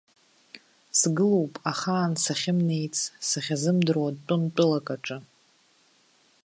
Сгылоуп ахаан сахьымнеиц, сахьазымдыруа тәым тәылак аҿы.